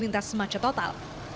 melintas semacam total